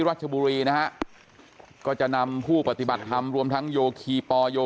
รัชบุรีนะฮะก็จะนำผู้ปฏิบัติธรรมรวมทั้งโยคีปอโย